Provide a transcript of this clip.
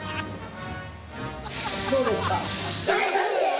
どうですか？